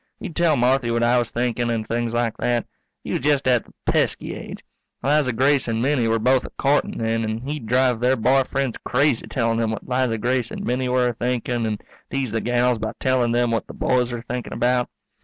He'd tell Marthy what I was thinkin' and things like that. He was just at the pesky age. Liza Grace and Minnie were both a courtin' then, and he'd drive their boy friends crazy telling them what Liza Grace and Minnie were a thinking and tease the gals by telling them what the boys were thinking about.